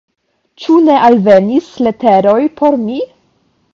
Ĉu ne alvenis leteroj por mi?